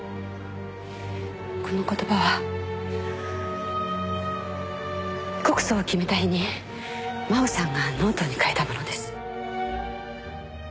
この言葉は告訴を決めた日に真穂さんがノートに書いたものです。